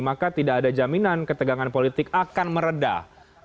maka tidak ada jaminan ketegangan politik akan meredah